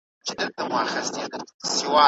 دا سړی ډېر درواغجن دی.